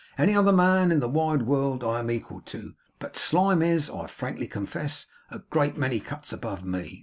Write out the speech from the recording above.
Any other man in the wide world, I am equal to; but Slyme is, I frankly confess, a great many cuts above me.